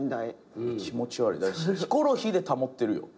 ヒコロヒーで保ってるよ。